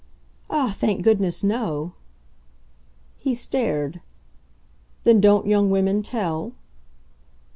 "Ah, thank goodness, no!" He stared. "Then don't young women tell?"